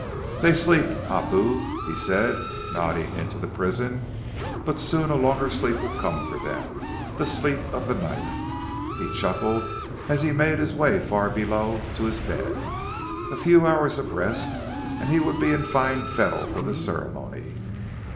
"They sleep, Hapu," he said, nodding into the prison. "But soon a longer sleep will come for them the sleep of the knife!" He chuckled as he made his way far below, to his bed. A few hours of rest and he would be in fine fettle for the ceremony.